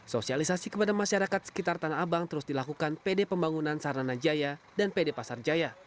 sosialisasi kepada masyarakat sekitar tanah abang terus dilakukan pd pembangunan sarana jaya dan pd pasar jaya